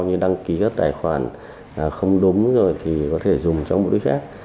như đăng ký các tài khoản không đúng rồi thì có thể dùng cho mục đích khác